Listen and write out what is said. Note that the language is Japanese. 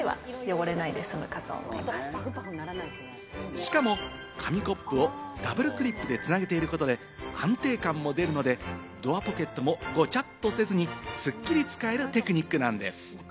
しかも、紙コップをダブルクリップで繋げていることで、安定感も出るので、ドアポケットもごちゃっとせずに、すっきり使えるテクニックなんです。